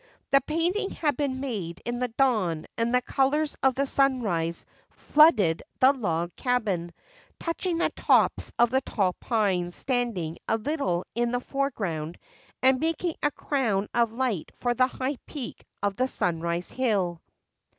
The painting had been made in the dawn and the colors of the sunrise flooded the log cabin, touching the tops of the tall pines standing a little in the foreground and making a crown of light for the high peak of the Sunrise Hill.